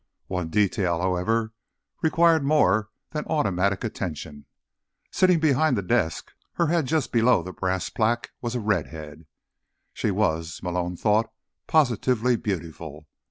One detail, however, required more than automatic attention. Sitting behind the desk, her head just below the brass plaque, was a redhead. She was, Malone thought, positively beautiful.